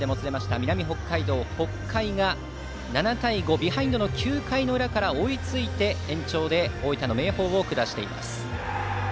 南北海道の北海が７対５ビハインドの９回の裏から追いついて、延長で大分の明豊を下しています。